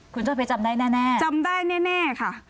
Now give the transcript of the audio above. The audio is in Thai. คุณเจ้าเพชรจำได้แน่จำได้แน่ค่ะ